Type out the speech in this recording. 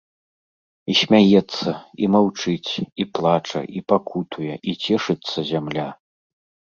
І смяецца, і маўчыць, і плача, і пакутуе, і цешыцца зямля.